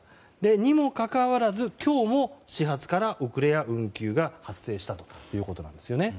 にもかかわらず今日も始発から遅れや運休が発生したということなんです。